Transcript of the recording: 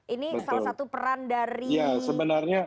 ini salah satu peran dari